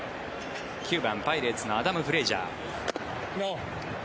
９番、パイレーツのアダム・フレージャー。